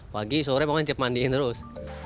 pagi sore pokoknya tiap mandiin terus